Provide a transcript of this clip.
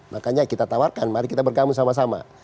makanya kita tawarkan mari kita bergabung sama sama